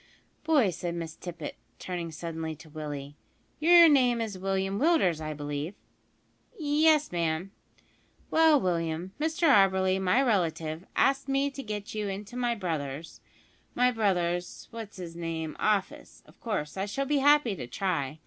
"Boy," said Miss Tippet, turning suddenly to Willie, "your name is William Willders, I believe?" "Yes, ma'am." "Well, William, Mr Auberly, my relative, asks me to get you into my brother's my brother's, what's 'is name office. Of course, I shall be happy to try.